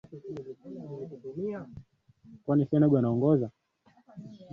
kwanza mengine baadaye pengine huoni